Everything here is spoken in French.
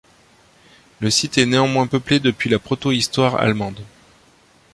Le site est néanmoins peuplé depuis la protohistoire allemande.